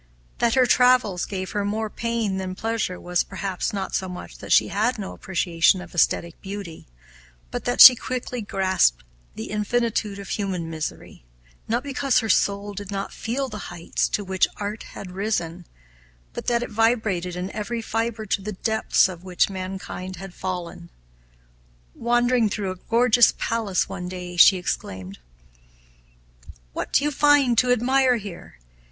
That her travels gave her more pain than pleasure was, perhaps, not so much that she had no appreciation of aesthetic beauty, but that she quickly grasped the infinitude of human misery; not because her soul did not feel the heights to which art had risen, but that it vibrated in every fiber to the depths to which mankind had fallen. Wandering through a gorgeous palace one day, she exclaimed, "What do you find to admire here?